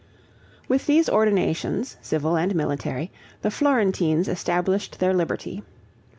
With these ordinations, civil and military, the Florentines established their liberty.